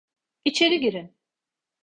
İçeri girin!